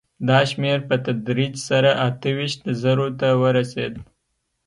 دا شمېر په تدریج سره اته ویشت زرو ته ورسېد